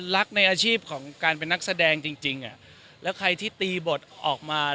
รักในอาชีพของการเป็นนักแสดงจริงจริงอ่ะแล้วใครที่ตีบทออกมา